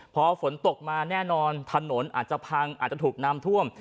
พอฝนตกมาแน่นอนถนนอาจจะพังอาจจะถูกน้ำท่วม